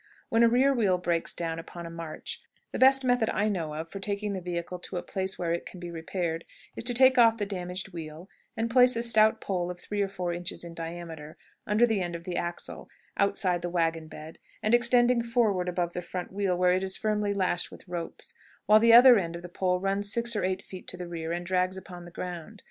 When a rear wheel breaks down upon a march, the best method I know of for taking the vehicle to a place where it can be repaired is to take off the damaged wheel, and place a stout pole of three or four inches in diameter under the end of the axle, outside the wagon bed, and extending forward above the front wheel, where it is firmly lashed with ropes, while the other end of the pole runs six or eight feet to the rear, and drags upon the ground.